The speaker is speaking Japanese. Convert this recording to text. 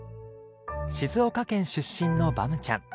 静岡県出身のバムちゃん。